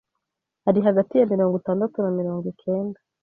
ari hagati ya mirongo itandatu na mirongo ikenda